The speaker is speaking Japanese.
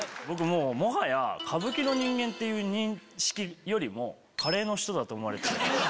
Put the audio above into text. もはや歌舞伎の人間って認識よりもカレーの人だと思われてる。